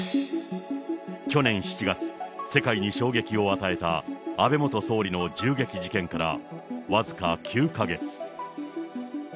去年７月、世界に衝撃を与えた、安倍元総理の銃撃事件から僅か９か月。